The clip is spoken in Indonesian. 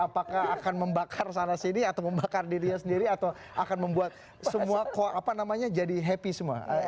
apakah akan membakar sana sini atau membakar dirinya sendiri atau akan membuat semua jadi happy semua